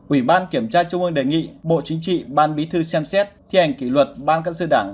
ủy ban kiểm tra trung ương đề nghị bộ chính trị ban bí thư xem xét thi hành kỷ luật ban cán sự đảng